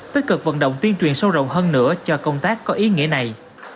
tích cực vận động tuyên truyền sâu rộng hơn nữa cho công tác có ý nghĩa này